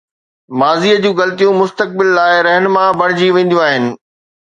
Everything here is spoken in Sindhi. ماضيءَ جون غلطيون مستقبل لاءِ رهنما بڻجي وينديون آهن.